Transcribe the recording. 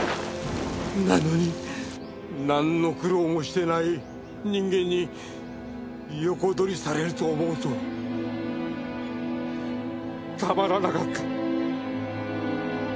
なのになんの苦労もしてない人間に横取りされると思うとたまらなかった！